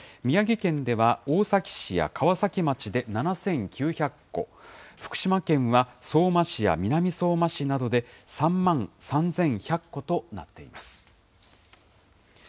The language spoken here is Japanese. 宮城県では大崎市や川崎町で７９００戸、福島県は相馬市や南相馬市などで３万３１００戸となっています。